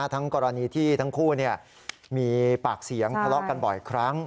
ทั้งกรณีที่ทั้งคู่มีปากเสียงทะเลาะกันบ่อยครั้ง